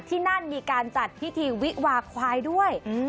ที่นั่นมีการจัดพิธีวิวาควายด้วย